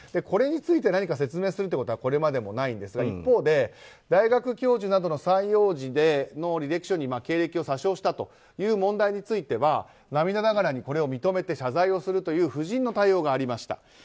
これについて何か説明するということはこれまでもないんですが、一方で大学教授などの採用時の履歴書で経歴を査証したという問題については涙ながらにこれを認めて謝罪をするという夫人の対応がありました。